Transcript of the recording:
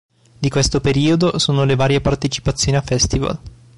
Di questo periodo sono le varie partecipazioni a festival.